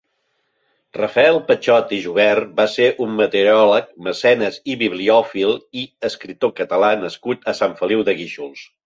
Rafael Patxot i Jubert va ser un meteoròleg, mecenes, bibliòfil i escriptor Català nascut a Sant Feliu de Guíxols.